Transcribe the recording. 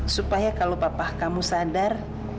supaya kalau papa kamu sadar